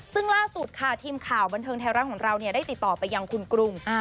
ซึ่งล่าสุดค่ะทีมข่าวบันเทิงไทยรัฐของเราได้ติดต่อไปยังคุณกรุง